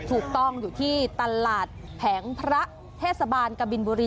ถูกต้องอยู่ที่ตลาดแผงพระเทศบาลกบินบุรี